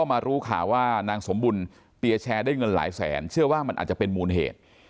มารู้ข่าวว่านางสมบุญเตียแชร์ได้เงินหลายแสนเชื่อว่ามันอาจจะเป็นมูลเหตุ